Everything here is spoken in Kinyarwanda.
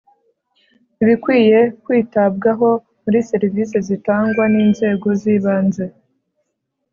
Ibikwiye kwitabwaho muri serivisi zitangwa n inzego z ibanze